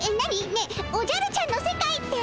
ねえおじゃるちゃんの世界って？